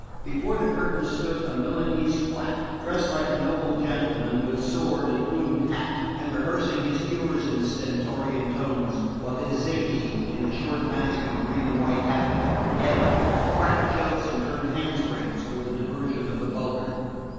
Before the curtain stood a Milanese quack, dressed like a noble gentleman, with sword and plumed hat, and rehearsing his cures in stentorian tones, while his zany, in the short mask and green and white habit of Brighella, cracked jokes and turned hand springs for the diversion of the vulgar.